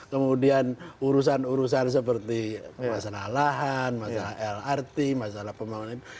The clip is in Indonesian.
kemudian urusan urusan seperti masalah lahan masalah lrt masalah pembangunan